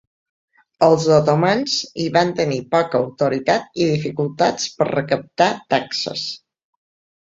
Els otomans hi van tenir poca autoritat i dificultats per recaptar taxes.